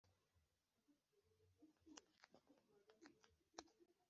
Abakora nabi bakegura abaturage kandi bagomba kugira uruhare